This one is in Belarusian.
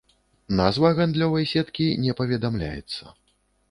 Назва гандлёвай сеткі не паведамляецца.